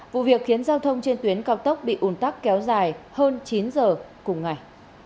vụ việc khiến giao thông trên tuyến cao tốc bị ùn tắc kéo dài hơn chín giờ cùng ngày